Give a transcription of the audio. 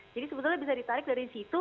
jadi sebetulnya bisa ditarik dari situ